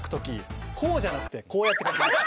こうじゃなくてこうやってかきます。